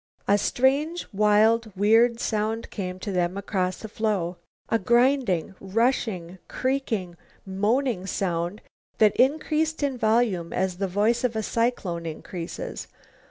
A strange, wild, weird sound came to them across the floe, a grinding, rushing, creaking, moaning sound that increased in volume as the voice of a cyclone increases.